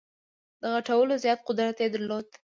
د غټولو زیات قدرت یې درلود.